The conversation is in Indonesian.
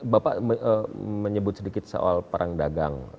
bapak menyebut sedikit soal perang dagang